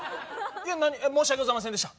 いえ申し訳ございませんでした。